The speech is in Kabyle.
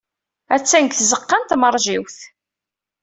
Attan deg tzeɣɣa n tmeṛjiwt.